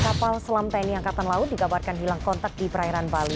kapal selam tni angkatan laut dikabarkan hilang kontak di perairan bali